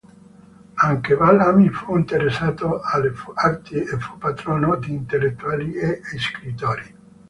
Anche Balʿami fu interessato alle arti e fu patrono di intellettuali e scrittori.